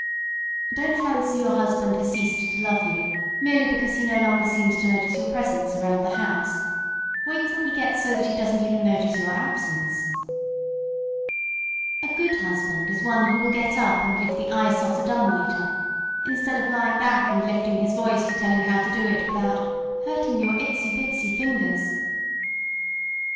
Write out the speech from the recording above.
Don't fancy your husband has ceased to love you merely because he no longer seems to notice your presence around the house; wait until he gets so that he doesn't even notice your absence. A good husband is one who will get up and lift the ice off the dumbwaiter instead of lying back and lifting his voice to tell you how to do it without "hurting your itsy bitsy fingers."